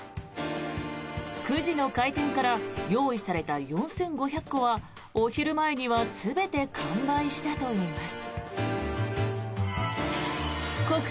９時の開店から用意された４５００個はお昼前には全て完売したといいます。